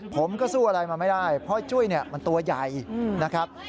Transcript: ผมก็สู้อะไรมาไม่ได้เพราะจุ้ยเนี่ยมันตัวใหญ่นะครับ